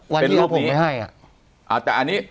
วันที่ผมไปให้